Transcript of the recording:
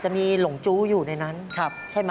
จะมีหลงจู้อยู่ในนั้นใช่ไหม